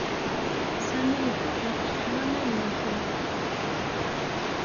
Sami itub ɣef leḥṛam ay iga.